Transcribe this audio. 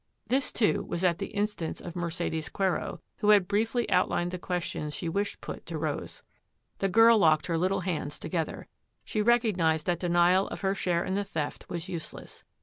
This, too, was at the instance of Mercedes Quero, who had briefly outlined the questions she wished put to Rose. The girl locked her little hands together. She recognised that denial of her share in the theft was useless.